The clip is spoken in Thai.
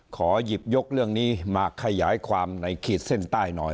ขอหยิบยกเรื่องนี้มาขยายความในขีดเส้นใต้หน่อย